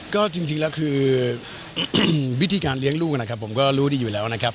ก็จริงแล้วคือวิธีการเลี้ยงลูกนะครับผมก็รู้ดีอยู่แล้วนะครับ